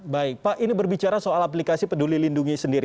baik pak ini berbicara soal aplikasi peduli lindungi sendiri